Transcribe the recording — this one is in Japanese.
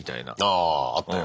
あああったよ